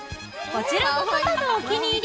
こちらがパパのお気に入り